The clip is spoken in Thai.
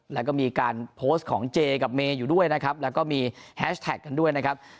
แล้วก็มีการโพสต์ของเจกับเมย์อยู่ด้วยนะครับแล้วก็มีแฮชแท็กกันด้วยนะครับ